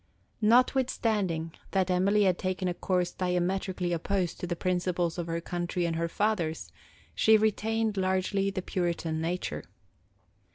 Notwithstanding that Emily had taken a course diametrically opposed to the principles of her country and her fathers, she retained largely the Puritan nature.